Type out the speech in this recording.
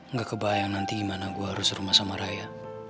nggak kebayang nanti gimana gue harus rumah sama raya